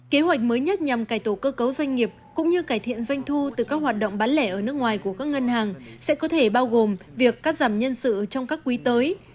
kế hoạch mới nhất nhằm cải tổ cơ cấu doanh nghiệp cũng như cải thiện doanh thu từ các hoạt động bán lẻ ở nước ngoài của các ngân hàng sẽ có thể bao gồm việc cắt giảm nhân sự trong các quý tới